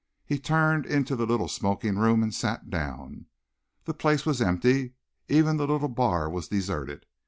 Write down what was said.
He turned into the little smoking room and sat down. The place was empty. Even the little bar was deserted.